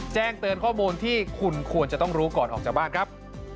แจ้งเตือนข้อมูลที่คุณควรจะต้องรู้ก่อนออกจากบ้านครับ